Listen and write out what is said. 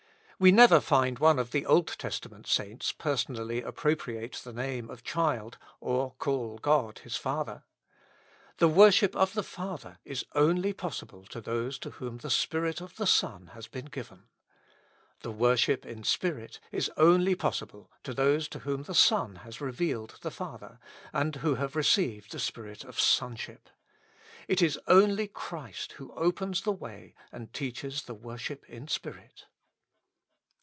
We never find one of the Old Testament saints personally appropriate the name of child or call God his Father. The worship of the Father is only possible to those to whom the Spirit of the Son has been given. The worship iji spirit is only possi ble to those to whom the Son has revealed the Father, and who have received the spirit of Sonship. It is only Christ who opens the way and teaches the worship in spirit.